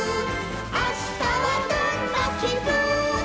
「あしたはどんなきぶんかな」